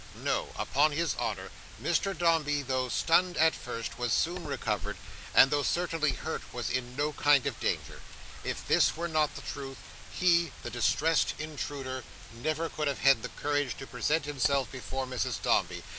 No. Upon his honour, Mr Dombey, though stunned at first, was soon recovered, and though certainly hurt was in no kind of danger. If this were not the truth, he, the distressed intruder, never could have had the courage to present himself before Mrs Dombey.